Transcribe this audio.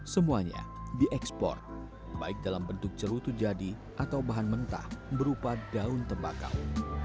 semuanya diekspor baik dalam bentuk cerutu jadi atau bahan mentah berupa daun tembakau